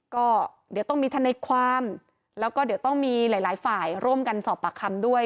ก็เดี๋ยวต้องมีทนายความแล้วก็เดี๋ยวต้องมีหลายหลายฝ่ายร่วมกันสอบปากคำด้วย